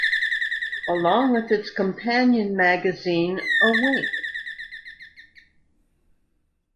Along with its companion magazine, Awake!